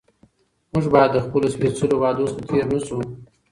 موږ باید له خپلو سپېڅلو وعدو څخه تېر نه شو